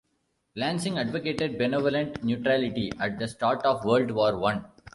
Lansing advocated "benevolent neutrality" at the start of World War One.